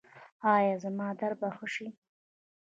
ایا زما درد به ښه شي؟